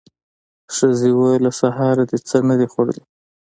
ښځې وويل: له سهاره دې څه نه دي خوړلي.